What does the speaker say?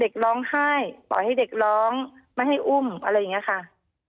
เด็กร้องให้ด้วยลองไห้ไม่ให้อุ้มอะไรแบบนี้ค่ะ